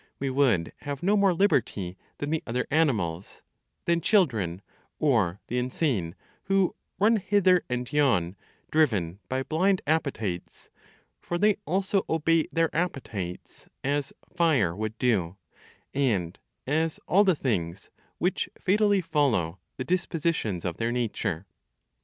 We would have no more liberty than the other animals, than children, or the insane, who run hither and yon, driven by blind appetites; for they also obey their appetites, as fire would do, and as all the things which fatally follow the dispositions of their nature.